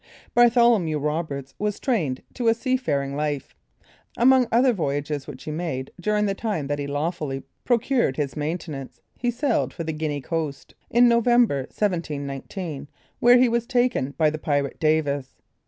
Bartholomew Roberts was trained to a sea faring life. Among other voyages which he made during the time that he lawfully procured his maintenance, he sailed for the Guinea cost, in November, 1719, where he was taken by the pirate Davis.